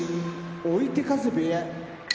追手風部屋